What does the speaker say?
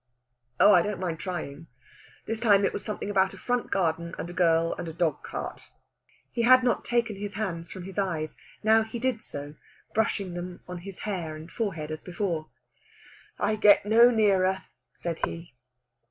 "Oh, I don't mind trying. This time it was something about a front garden and a girl and a dog cart." He had not taken his hands from his eyes. Now he did so, brushing them on his hair and forehead as before. "I get no nearer," said he.